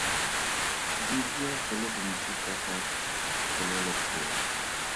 Di bua go le gontsi ka ga polelokgolo.